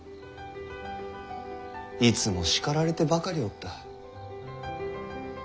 いつも叱られてばかりおった。